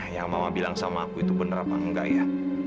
yang mama bilang sama aku itu benar apa enggak ya